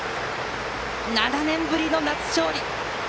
７年ぶりの夏勝利。